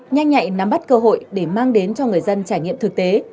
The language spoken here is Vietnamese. nhanh nhạy nắm bắt cơ hội để mang đến cho người dân trải nghiệm thực tế